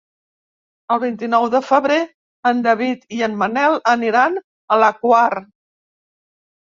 El vint-i-nou de febrer en David i en Manel aniran a la Quar.